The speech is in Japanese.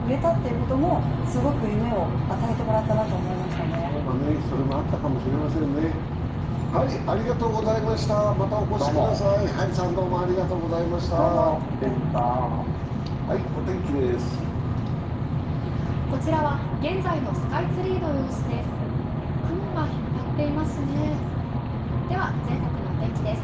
こちらは現在のスカイツリーの様子です。